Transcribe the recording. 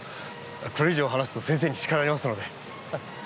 これ以上話すと先生に叱られますので。